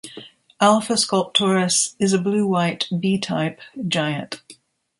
Alpha Sculptoris is a blue-white B-type giant.